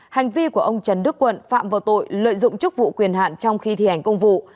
hành vi của ông trần đức quận phạm vào tội lợi dụng chức vụ quyền hạn trong khi thi hành công vụ